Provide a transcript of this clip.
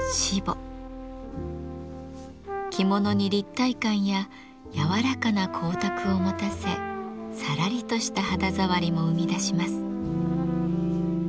着物に立体感や柔らかな光沢を持たせさらりとした肌触りも生み出します。